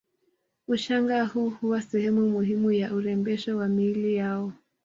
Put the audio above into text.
Ushanga huu huwa sehemu muhimu ya urembesho wa miili yao